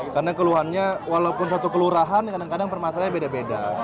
karena keluhannya walaupun satu kelurahan kadang kadang permasalahannya beda beda